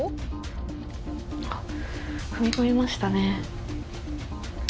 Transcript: あっ踏み込みましたね。